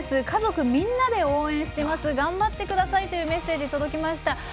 家族みんなで応援しています頑張ってくださいというメッセージが届きました。